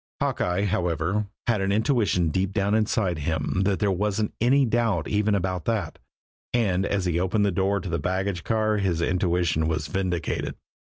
Hawkeye, however, had an intuition deep down inside of him that there wasn't any doubt even about that, and as he opened the door of the baggage car his intuition was vindicated.